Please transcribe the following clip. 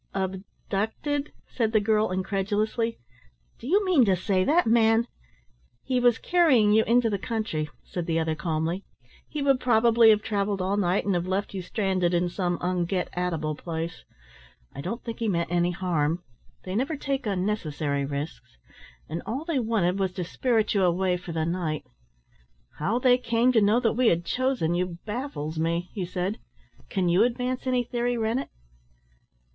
"Abducted?" said the girl incredulously. "Do you mean to say that man " "He was carrying you into the country," said the other calmly. "He would probably have travelled all night and have left you stranded in some un get at able place. I don't think he meant any harm they never take unnecessary risks, and all they wanted was to spirit you away for the night. How they came to know that we had chosen you baffles me," he said. "Can you advance any theory, Rennett?"